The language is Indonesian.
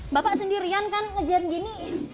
bapak sendirian kan ngejar gini